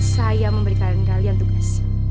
saya memberikan kalian tugas